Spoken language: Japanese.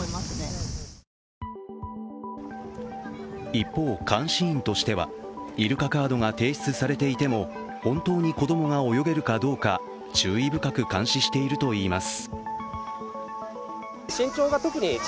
一方、監視員としてはイルカカードが提出されていても本当に子供が泳げるかどうか注意深く監視しているといいます。